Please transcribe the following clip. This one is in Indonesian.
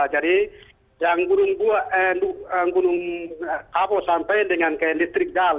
jadi yang gunung kabo sampai dengan ke listrik jal